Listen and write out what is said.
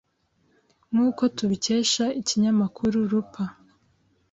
nkuko tubikesha ikinyamakuru Looper